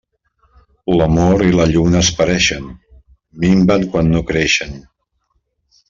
L'amor i la lluna es pareixen, minven quan no creixen.